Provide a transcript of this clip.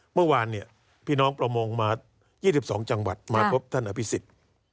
เมื่อวานเนี่ยพี่น้องประมงมา๒๒จังหวัดมาพบท่านอภิษฎ